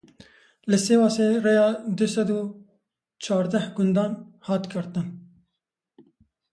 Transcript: Li Sêwasê rêya du sed û çardeh gundan hat girtin.